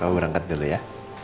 papa berangkat dulu ya